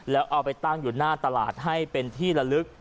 แล้วเอาไปตั้งอยู่หน้าตลาดให้เป็นที่ละลึก